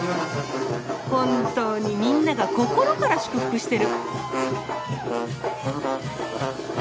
本当にみんなが心から祝福してる！